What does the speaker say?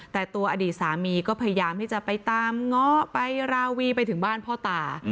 แต่ตัวอดีตสามีก็พยายามที่จะไปตามง้อไปราวีไปถึงบ้านพ่อตา